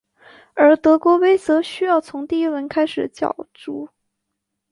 而德国杯则需要从第一轮开始角逐。